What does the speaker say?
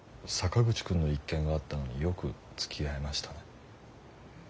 坂口くんの一件があったのによくつきあえましたね。